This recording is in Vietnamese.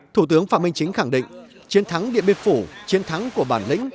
thủ tướng phạm minh chính khẳng định chiến thắng điện biên phủ chiến thắng của bản lĩnh